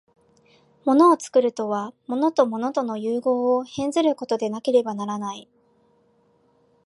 物を作るとは、物と物との結合を変ずることでなければならない。